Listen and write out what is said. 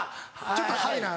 ちょっとハイな。